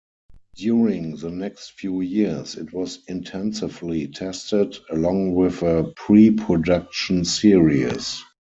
During the next few years it was intensively tested, along with a pre-production series.